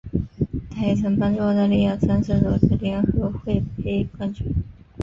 她还曾帮助澳大利亚三次夺得联合会杯冠军。